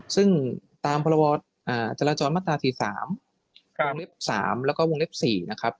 ซึ่งตามพรบจราจรมาตรา๔๓วงเล็บ๓แล้วก็วงเล็บ๔นะครับ